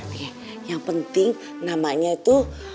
yang penting namanya itu